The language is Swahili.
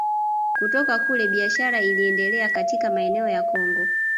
Kutoka kule biashara iliendelea katika maeneo ya Kongo